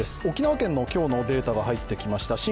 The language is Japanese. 沖縄県の今日のデータが入ってきました。